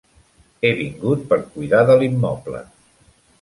He vingut per cuidar de l'immoble.